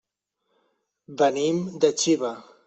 Venim de Xiva.